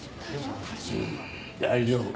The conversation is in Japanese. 大丈夫。